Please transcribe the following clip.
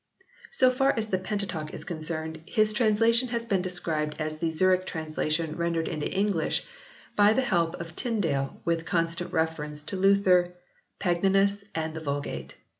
So far as the Penta teuch is concerned, his translation has been described as the Zurich translation rendered into English by the help of Tyndale with constant reference to Luther, Pagninus and the Vulgate.